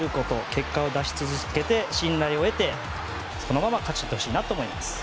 結果を出し続けて信頼を得てそのまま勝ってほしいと思います。